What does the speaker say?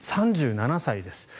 ３７歳です。